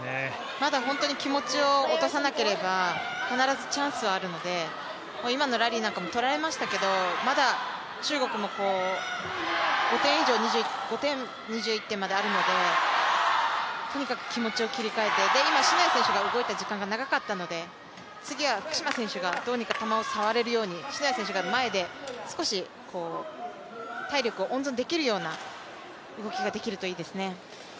まだ本当に気持ちを落とさなければ必ずチャンスはあるので、今のラリーなんかも取られましたけど、まだ中国も２１点まで５点あるので、とにかく気持ちを切り替えて、今、篠谷選手が動いた時間が長かったので、次は福島選手がどうにか球を触れるように篠谷選手が前で少し体力を温存できるような動きができるといいですね。